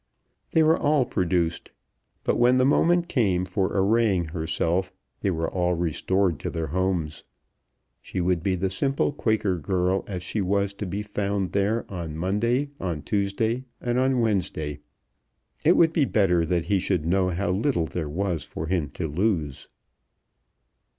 They were all produced. But when the moment came for arraying herself they were all restored to their homes. She would be the simple Quaker girl as she was to be found there on Monday, on Tuesday, and on Wednesday. It would be better that he should know how little there was for him to lose.